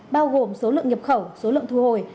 bao gồm số lượng nhập khẩu số lượng thu hồi